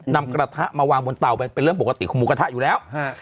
นำกระทะมาวางบนเตามันเป็นเรื่องปกติของหมูกระทะอยู่แล้ว